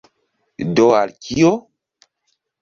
Do al kio?